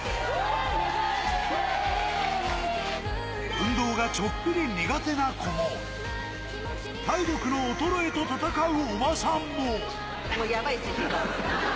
運動がちょっぴり苦手な子も、体力の衰えと戦うおばさんも。